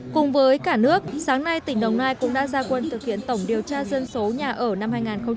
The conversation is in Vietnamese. cùng với cả nước sáng nay tỉnh đồng nai cũng đã ra quân thực hiện tổng điều tra dân số nhà ở năm hai nghìn một mươi chín